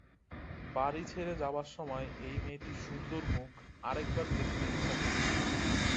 বাড়ি ছেড়ে যাবার সময় এই মেয়েটির সুন্দর মুখ আরেক বার দেখতে ইচ্ছা করছিল।